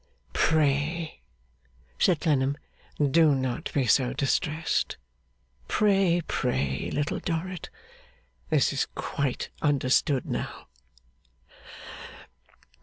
'Pray,' said Clennam, 'do not be so distressed. Pray, pray, Little Dorrit! This is quite understood now.